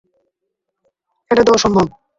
এটা তো অসম্ভব।